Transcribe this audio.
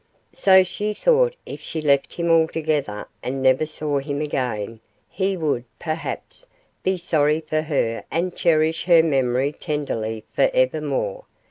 So she thought if she left him altogether and never saw him again he would, perhaps, be sorry for her and cherish her memory tenderly for evermore.